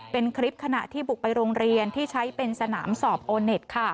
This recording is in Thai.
เป็นคลิปขณะที่บุกไปโรงเรียนที่ใช้เป็นสนามสอบโอเน็ต